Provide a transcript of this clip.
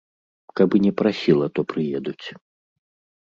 Каб і не прасіла, то прыедуць.